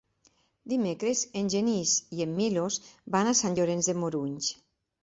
Dimecres en Genís i en Milos van a Sant Llorenç de Morunys.